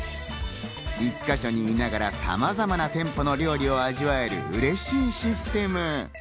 １か所にいながら、さまざまな店舗の料理を味わえるうれしいシステム。